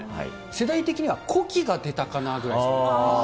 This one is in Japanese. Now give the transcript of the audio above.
世代的には子機が出たかなぐらいですかね。